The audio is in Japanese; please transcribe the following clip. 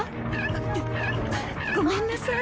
ごめんなさい。